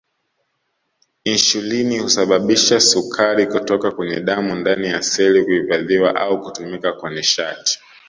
Insulini husababisha sukari kutoka kwenye damu ndani ya seli kuhifadhiwa au kutumika kwa nishati